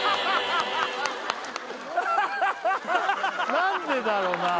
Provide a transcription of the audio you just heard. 何でだろな